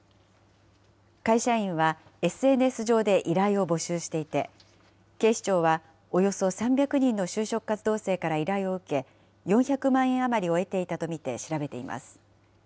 会社員はＳＮＳ上で依頼を募集していて、警視庁はおよそ３００人の就職活動生から依頼を受け、４００万円余りを得ていたと見て調べています。